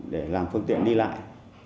để làm phương tiện đi lại